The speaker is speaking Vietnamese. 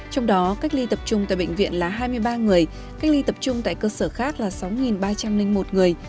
trong đó cách ly tập trung tại bệnh viện là hai mươi ba người cách ly tập trung tại cơ sở khác là sáu ba trăm linh một người